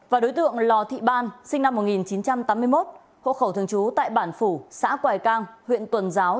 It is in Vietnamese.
và đối tượng lò thị ban sinh năm một nghìn chín trăm tám mươi một hộ khẩu thường trú tại bản phủ xã quài cang huyện tuần giáo